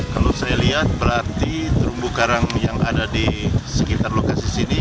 kalau saya lihat berarti terumbu karang yang ada di sekitar lokasi sini